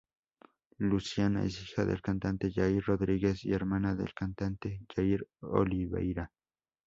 Luciana es hija del cantante Jair Rodrigues y hermana del cantante Jair Oliveira.